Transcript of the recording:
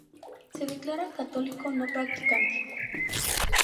Se declara católico no practicante.